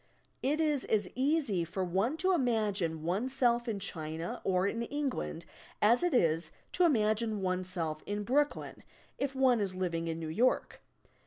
It is as easy for one to imagine oneself in China or in England as it is to imagine oneself in Brooklyn, if one is living in New York.